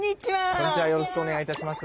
こんにちはよろしくお願いいたします。